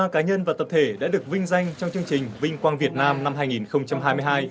ba cá nhân và tập thể đã được vinh danh trong chương trình vinh quang việt nam năm hai nghìn hai mươi hai